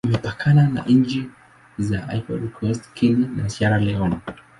Imepakana na nchi za Ivory Coast, Guinea, na Sierra Leone.